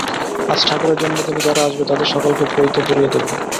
আজ ঠাকুরের জন্মদিনে যারা আসবে, তাদের সকলকে পৈতে পরিয়ে দেব।